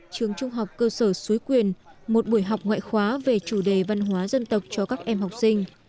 trường trung học cơ sở suối quyền một buổi học ngoại khóa về chủ đề văn hóa dân tộc cho các em học sinh